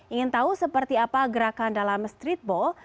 ingin tahu seperti apa gerakan dalam streetball